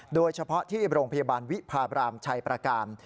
โดยเฉพาะที่โรงพยาบาลวิพาบรามชัยประการ